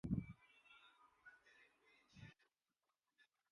میں نے کسی قصاب کو بھی زندہ بکرے کی کھال کھینچتے ہوئے نہیں دیکھا